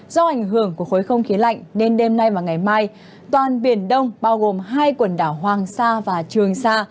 do ảnh hưởng của khối không khí lạnh nên đêm nay và ngày mai toàn biển đông bao gồm hai quần đảo hoàng sa và trường sa